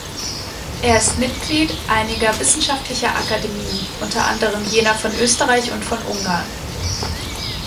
Er ist Mitglied einiger wissenschaftlicher Akademien, unter anderem jener von Österreich und von Ungarn.